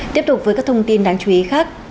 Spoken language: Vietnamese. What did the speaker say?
tiếp tục với các thông tin đáng chú ý khác